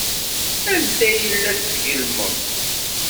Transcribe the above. Anta ay la d-tgellmed?